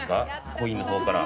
コインの方から。